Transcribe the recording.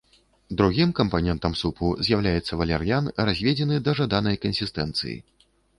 Другім кампанентам супу з'яўляецца валяр'ян, разведзены да жаданай кансістэнцыі.